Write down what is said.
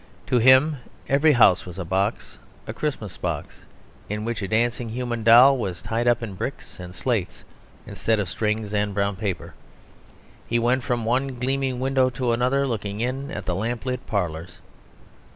To him every house was a box, a Christmas box, in which a dancing human doll was tied up in bricks and slates instead of string and brown paper. He went from one gleaming window to another, looking in at the lamp lit parlours.